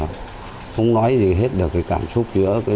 không nói gì hết được cái cảm xúc nữa